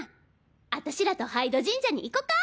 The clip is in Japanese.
アタシらと杯戸神社に行こか？